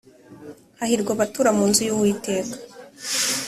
Hahirwa abatura mu nzu y’Uwiteka